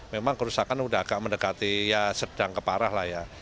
memang kerusakan udah agak mendekati ya sedang keparah lah ya